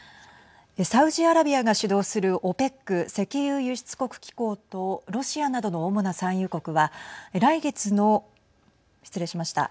サウジアラビアが主導するＯＰＥＣ＝石油輸出国機構とロシアなどの主な産油国は来月の失礼しました。